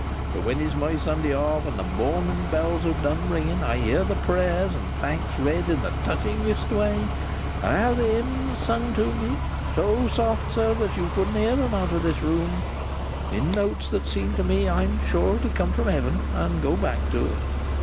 For, when it's my Sunday off and the morning bells have done ringing, I hear the prayers and thanks read in the touchingest way, and I have the hymns sung to me—so soft, sir, that you couldn't hear 'em out of this room—in notes that seem to me, I am sure, to come from Heaven and go back to it."